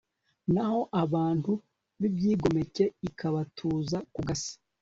naho abantu b'ibyigomeke ikabatuza ku gasi